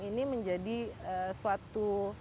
ini menjadi suatu